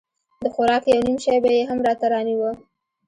د خوراک يو نيم شى به يې هم راته رانيوه.